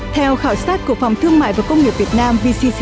theo khảo sát của phòng thương mại và công nghiệp việt nam